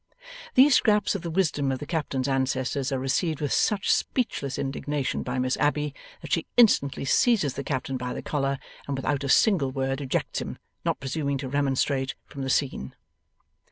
These scraps of the wisdom of the captain's ancestors are received with such speechless indignation by Miss Abbey, that she instantly seizes the Captain by the collar, and without a single word ejects him, not presuming to remonstrate, from the scene.